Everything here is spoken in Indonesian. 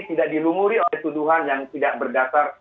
tidak dilumuri oleh tuduhan yang tidak berdasar